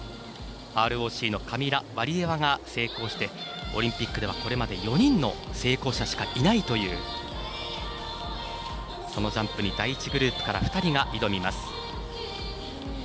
ＲＯＣのカミラ・ワリエワが成功してオリンピックではこれまで４人の成功者しかいないというそのジャンプに第１グループから２人が挑みます。